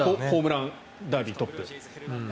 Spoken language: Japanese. ホームランダービートップ。